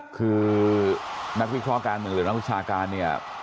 คือนักพิศาคาเมืองและนักวิชาการเนี่ย